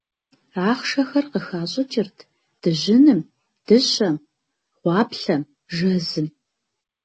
Ахъшэхэр къыхащӏыкӏырт дыжьыным, дыщэм, гъуаплъэм, жэзым.